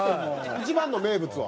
一番の名物は？